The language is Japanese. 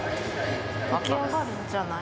浮き上がるんじゃない？